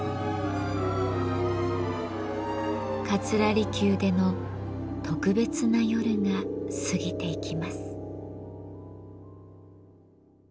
桂離宮での特別な夜が過ぎていきます。